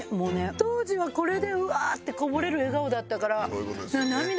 当時はこれでうわ！ってこぼれる笑顔だったから。